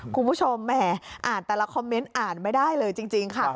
คุณผู้ชมแหมอ่านแต่ละคอมเมนต์อ่านไม่ได้เลยจริงค่ะ